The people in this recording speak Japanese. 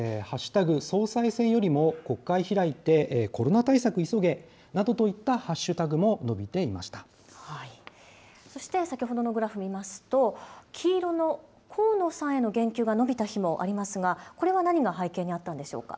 総裁選よりも国会開いてコロナ対策急げなどといったそして、先ほどのグラフ見ますと、黄色の河野さんへの言及が伸びた日もありますが、これは何が背景にあったんでしょうか。